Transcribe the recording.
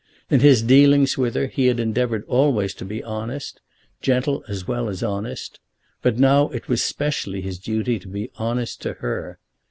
In his dealings with her he had endeavoured always to be honest, gentle as well as honest; but now it was specially his duty to be honest to her.